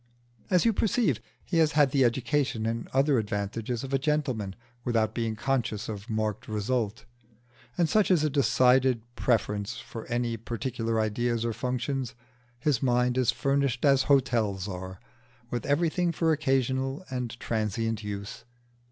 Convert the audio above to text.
As you perceive, he has had the education and other advantages of a gentleman without being conscious of marked result, such as a decided preference for any particular ideas or functions: his mind is furnished as hotels are, with everything for occasional and transient use.